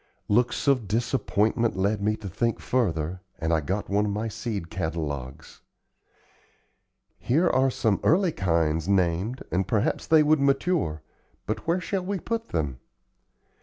Looks of disappointment led me to think further and I got one of my seed catalogues. "Here are some early kinds named and perhaps they would mature; but where shall we put them?"